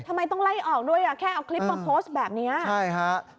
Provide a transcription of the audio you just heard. ทำไมต้องไล่ออกด้วยแค่เอาคลิปมาโพสต์แบบนี้